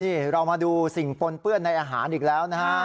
นี่เรามาดูสิ่งปนเปื้อนในอาหารอีกแล้วนะฮะ